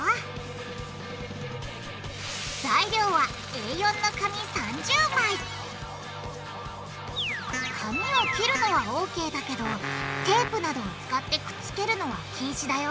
材料はＡ４の紙３０枚紙を切るのはＯＫだけどテープなどを使ってくっつけるのは禁止だよ